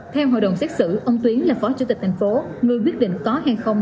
theo hội đồng xét xử ông tuyến là phó chủ tịch tp hcm người quyết định có hay không